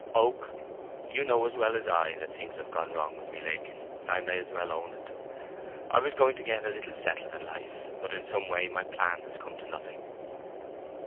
"Oak, you know as well as I that things have gone wrong with me lately. I may as well own it. I was going to get a little settled in life; but in some way my plan has come to nothing."